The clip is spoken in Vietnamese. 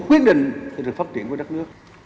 quyết định cho sự phát triển của đất nước